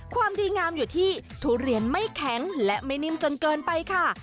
ความดีงามอยู่ที่ทุเรียนไม่แข็งและไม่นิ่มจนเกินไปค่ะ